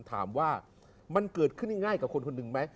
ถามว่ามันเกิดขึ้นง่ายกับคนคนหนึ่งไหม